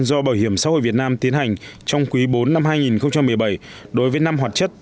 do bảo hiểm xã hội việt nam tiến hành trong quý bốn năm hai nghìn một mươi bảy đối với năm hoạt chất